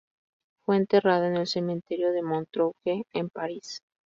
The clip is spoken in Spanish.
Fue enterrada en el Cementerio de Montrouge, en París.